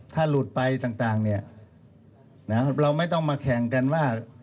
ถ้าหลุดไปต่างเนี่ยนะเราไม่ต้องมาแข่งกันว่า